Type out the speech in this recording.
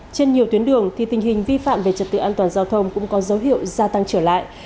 trên nhiều tuyến đường thì tình hình vi phạm về trật tự an toàn giao thông cũng có dấu hiệu gia tăng trở lại